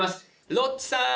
ロッチさん！